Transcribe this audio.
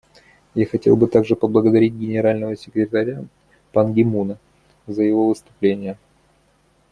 Я хотел бы также поблагодарить Генерального секретаря Пан Ги Муна за его выступление.